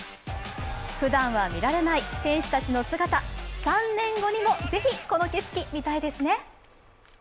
ふだんは見られない選手たちの姿、３年後にもぜひ、この景色見たいですね。